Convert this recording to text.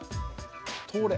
通れ！